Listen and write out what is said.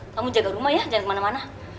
kamu jaga rumah ya jangan kemana mana